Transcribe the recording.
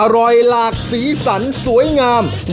อร่อยหลากสีสันสวยงามหวานหอม